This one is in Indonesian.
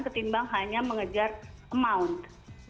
ketimbang hanya mengejar amount